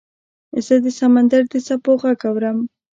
زه د سمندر د څپو غږ اورم .